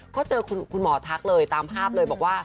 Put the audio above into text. ก็เจอคุณหมอทักเลยตามภาพเลยบอกว่า